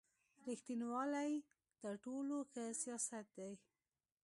رېښتینوالي تر ټولو ښه سیاست دی.